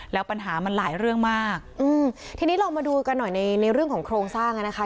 แล้วปัญหามันหลายเรื่องมากอืมทีนี้เรามาดูกันหน่อยในในเรื่องของโครงสร้างอ่ะนะคะ